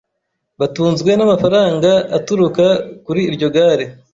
batunzwe n’amafaranga aturuka kuri iryo gare